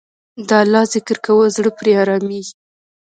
د الله ذکر کوه، زړه پرې آرامیږي.